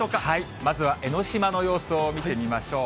まずは江の島の様子を見てみましょう。